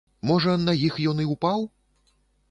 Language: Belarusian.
Можа, на іх ён і ўпаў.